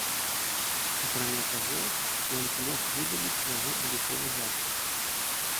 Акрамя таго, ён змог выдаліць яго уліковы запіс.